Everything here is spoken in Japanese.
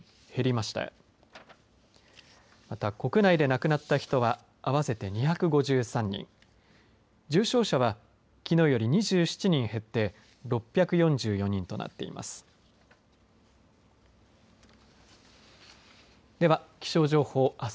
また、国内で亡くなった人は合わせて２５３人重症者はきのうより２７人減って６４４人となっています。